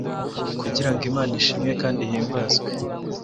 kugira ngo Imana ishimwe kandi ihimbazwe